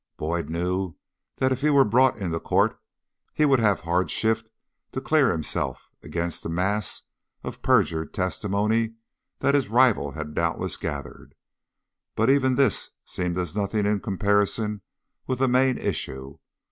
Boyd knew that if he were brought into court he would have hard shift to clear himself against the mass of perjured testimony that his rival had doubtless gathered; but even this seemed as nothing in comparison with the main issue.